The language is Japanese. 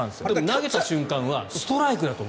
投げた瞬間はストライクだと思う。